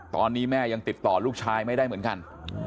ตอนนี้แม่ยังติดต่อลูกชายไม่ได้เหมือนกัน